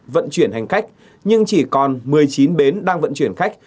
vận chuyển hành khách nhưng chỉ còn một mươi chín bến đang vận chuyển khách